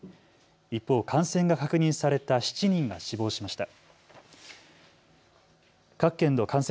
一方、感染が確認された７人が死亡しました。